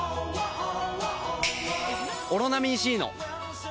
「オロナミン Ｃ」の！